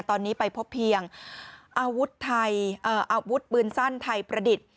ตอนนี้ไปพบเพียงอาวุธปืนสั้นไทยประดิษฐ์